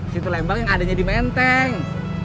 situ lembang yang adanya di menteng